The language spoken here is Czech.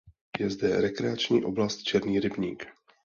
Je zde rekreační oblast Černý rybník.